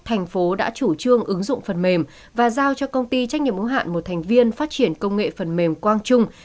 thành phố đã chủ trương ứng dụng phần mềm và giao cho công ty trách nhiệm ủng hạn một thành viên phát triển công nghệ phần mềm quang trung